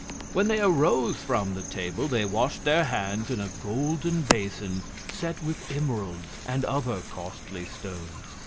When they arose from Table, they wash'd their Hands in a Golden Bason set with Emeralds, and other costly Stones.